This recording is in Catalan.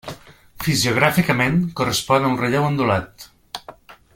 Fisiogràficament, correspon a un relleu ondulat.